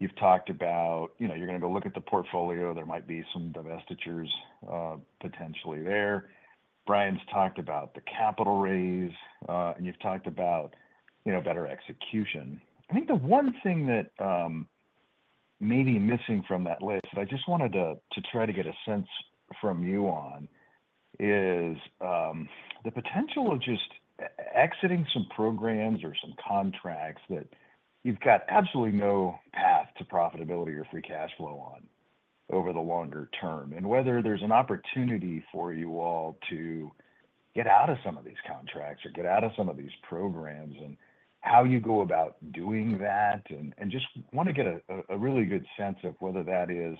You've talked about, you know, you're gonna go look at the portfolio. There might be some divestitures, potentially there. Brian's talked about the capital raise, and you've talked about, you know, better execution. I think the one thing that may be missing from that list, and I just wanted to try to get a sense from you on, is the potential of just exiting some programs or some contracts that you've got absolutely no path to profitability or free cash flow on. Over the longer term, and whether there's an opportunity for you all to get out of some of these contracts or get out of some of these programs, and how you go about doing that. And just wanna get a really good sense of whether that is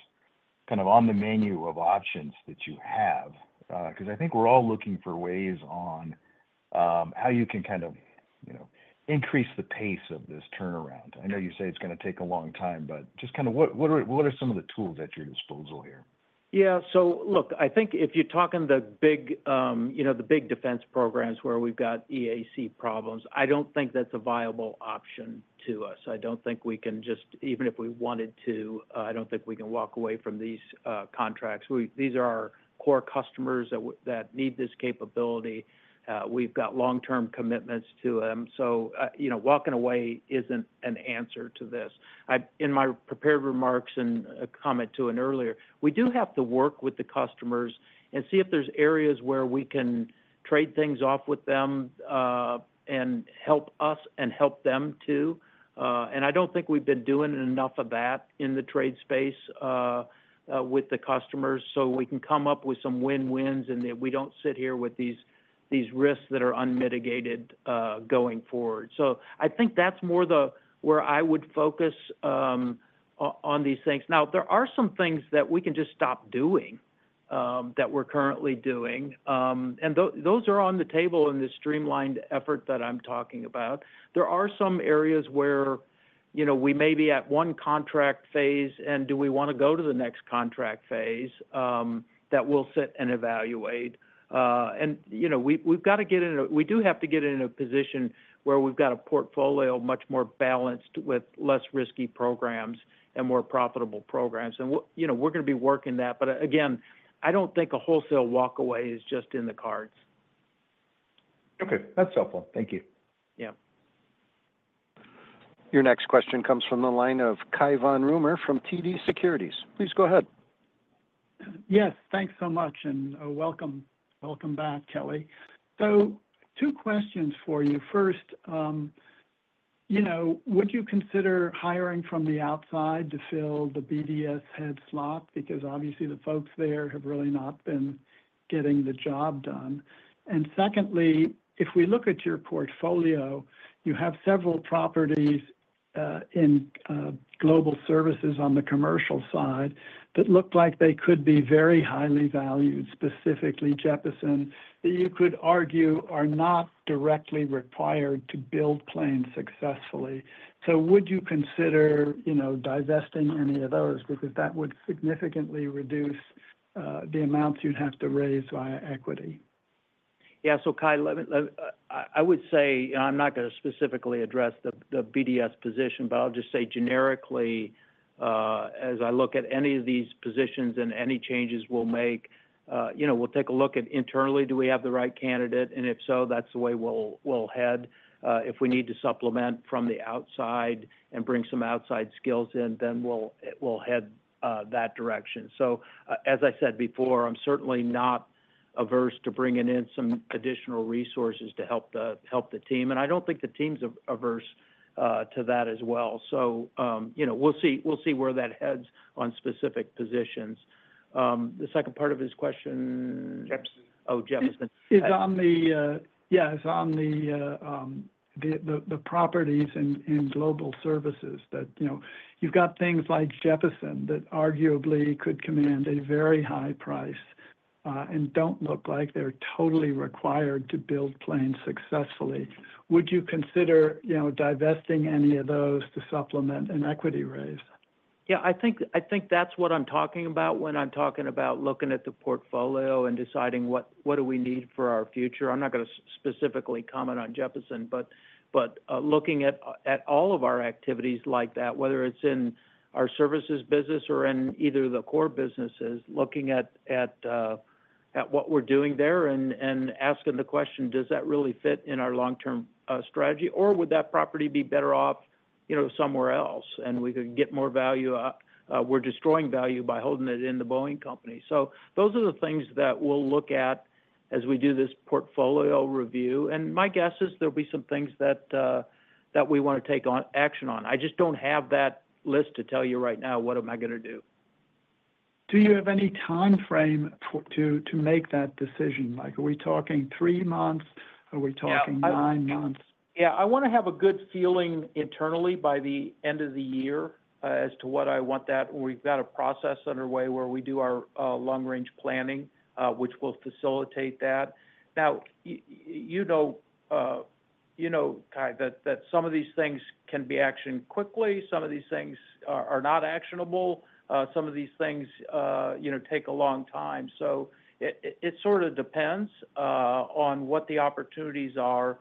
kind of on the menu of options that you have. 'Cause I think we're all looking for ways on how you can kind of, you know, increase the pace of this turnaround. I know you say it's gonna take a long time, but just kinda what are some of the tools at your disposal here? Yeah. So look, I think if you're talking the big, you know, the big defense programs where we've got EAC problems, I don't think that's a viable option to us. I don't think we can just even if we wanted to, I don't think we can walk away from these, contracts. These are our core customers that need this capability. We've got long-term commitments to them. So, you know, walking away isn't an answer to this. In my prepared remarks and a comment to an earlier, we do have to work with the customers and see if there's areas where we can trade things off with them, and help us and help them too. And I don't think we've been doing enough of that in the trade space, with the customers. So we can come up with some win-wins, and that we don't sit here with these risks that are unmitigated, going forward. So I think that's more the where I would focus, on these things. Now, there are some things that we can just stop doing, that we're currently doing. And those are on the table in this streamlined effort that I'm talking about. There are some areas where, you know, we may be at one contract phase, and do we wanna go to the next contract phase, that we'll sit and evaluate? And, you know, we've gotta get in a position where we've got a portfolio much more balanced, with less risky programs and more profitable programs. And you know, we're gonna be working that. But again, I don't think a wholesale walkaway is just in the cards. Okay, that's helpful. Thank you. Yeah. Your next question comes from the line of Cai von Rumohr from TD Securities. Please go ahead. Yes, thanks so much, and, welcome. Welcome back, Kelly. So two questions for you. First, you know, would you consider hiring from the outside to fill the BDS head slot? Because obviously, the folks there have really not been getting the job done. And secondly, if we look at your portfolio, you have several properties, in global services on the commercial side, that look like they could be very highly valued, specifically Jeppesen, that you could argue are not directly required to build planes successfully. So would you consider, you know, divesting any of those? Because that would significantly reduce the amounts you'd have to raise via equity. Yeah. So, Cai, let me, let me. I would say, and I'm not gonna specifically address the BDS position, but I'll just say generically, as I look at any of these positions and any changes we'll make, you know, we'll take a look at internally, do we have the right candidate? And if so, that's the way we'll head. If we need to supplement from the outside and bring some outside skills in, then it will head that direction. So as I said before, I'm certainly not averse to bringing in some additional resources to help the team, and I don't think the team's averse to that as well. So, you know, we'll see where that heads on specific positions. The second part of his question? Jeppesen. Oh, Jeppesen. It's on the, yeah, it's on the properties in Global Services that, you know, you've got things like Jeppesen, that arguably could command a very high price, and don't look like they're totally required to build planes successfully. Would you consider, you know, divesting any of those to supplement an equity raise? Yeah, I think that's what I'm talking about when I'm talking about looking at the portfolio and deciding what do we need for our future. I'm not gonna specifically comment on Jeppesen, but looking at all of our activities like that, whether it's in our services business or in either of the core businesses, looking at what we're doing there and asking the question: Does that really fit in our long-term strategy, or would that property be better off, you know, somewhere else? And we could get more value out. We're destroying value by holding it in The Boeing Company. So those are the things that we'll look at as we do this portfolio review, and my guess is there'll be some things that we wanna take action on. I just don't have that list to tell you right now. What am I gonna do? Do you have any timeframe for to make that decision? Like, are we talking three months? Are we talking-... nine months? Yeah, I wanna have a good feeling internally by the end of the year as to what I want, that we've got a process underway where we do our long-range planning, which will facilitate that. Now, you know, you know, Cai, that some of these things can be actioned quickly, some of these things are not actionable, some of these things, you know, take a long time. So it sorta depends on what the opportunities are.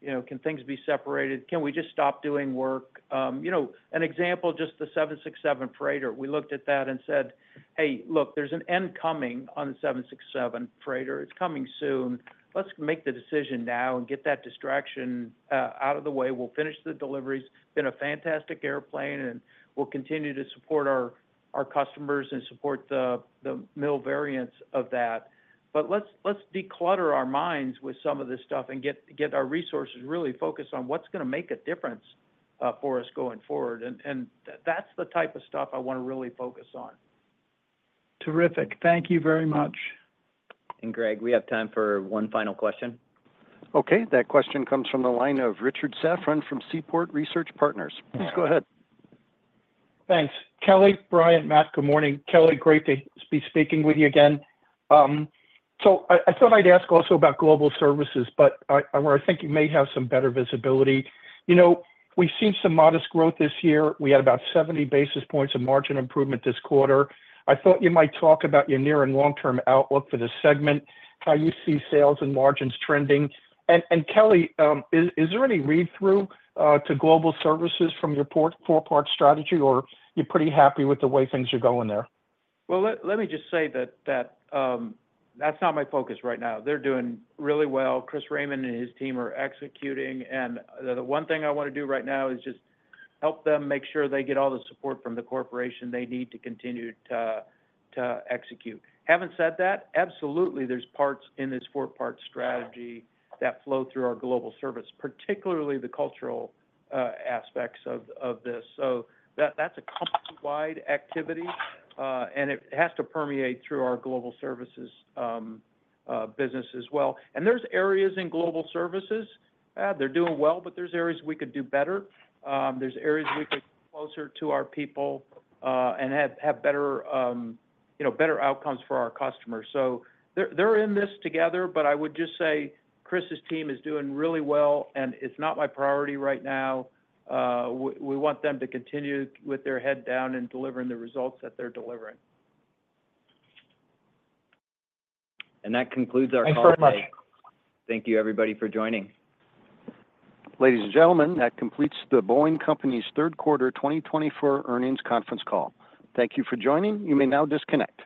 You know, can things be separated? Can we just stop doing work? You know, an example, just the 767 freighter. We looked at that and said: Hey, look, there's an end coming on the 767 freighter. It's coming soon. Let's make the decision now and get that distraction out of the way. We'll finish the deliveries. Been a fantastic airplane, and we'll continue to support our customers and support the mil variants of that. But let's declutter our minds with some of this stuff and get our resources really focused on what's gonna make a difference for us going forward. And that's the type of stuff I wanna really focus on. Terrific. Thank you very much. Greg, we have time for one final question. Okay, that question comes from the line of Richard Safran from Seaport Research Partners. Please go ahead. Thanks. Kelly, Brian, Matt, good morning. Kelly, great to be speaking with you again. So I thought I'd ask also about global services, but where I think you may have some better visibility. You know, we've seen some modest growth this year. We had about seventy basis points of margin improvement this quarter. I thought you might talk about your near and long-term outlook for this segment, how you see sales and margins trending. Kelly, is there any read-through to global services from your four-part strategy, or you're pretty happy with the way things are going there? Let me just say that that's not my focus right now. They're doing really well. Chris Raymond and his team are executing, and the one thing I wanna do right now is just help them make sure they get all the support from the corporation they need to continue to execute. Having said that, absolutely there's parts in this four-part strategy that flow through our global service, particularly the cultural aspects of this. So that's a company-wide activity, and it has to permeate through our global services business as well. And there's areas in global services they're doing well, but there's areas we could do better. There's areas we could get closer to our people and have better you know better outcomes for our customers. So they're in this together, but I would just say Chris's team is doing really well, and it's not my priority right now. We want them to continue with their head down and delivering the results that they're delivering. That concludes our call today. Thanks very much. Thank you, everybody, for joining. Ladies and gentlemen, that completes The Boeing Company's Third Quarter 2024 Earnings Conference Call. Thank you for joining. You may now disconnect.